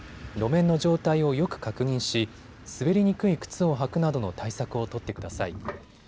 路面の状態をよく確認し滑りにくい靴を履くなどの対策を取ってください。